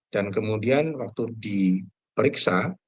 dan kemudian waktu diperiksa